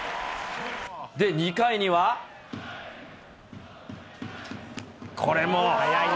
で、２回には。これも。